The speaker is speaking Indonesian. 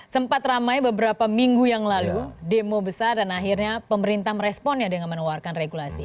sempat ramai beberapa minggu yang lalu demo besar dan akhirnya pemerintah meresponnya dengan menawarkan regulasi